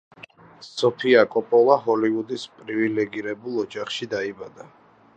სოფია კოპოლა ჰოლივუდის პრივილეგირებულ ოჯახში დაიბადა.